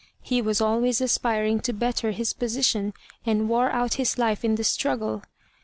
He was always aspiring to better his position, and wore out his life in the struggle.